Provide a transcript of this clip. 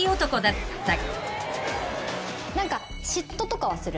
嫉妬とかはする？